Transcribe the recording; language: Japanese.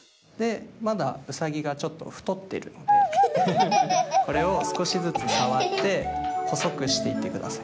まだウサギがちょっとふとってるのでこれをすこしずつさわってほそくしていってください。